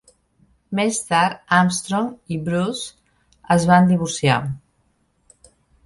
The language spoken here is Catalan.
Més tard, Armstrong i Bruce es van divorciar